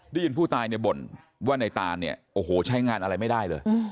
ได้ยินผู้ตายเนี่ยบ่นว่าในตานเนี่ยโอ้โหใช้งานอะไรไม่ได้เลย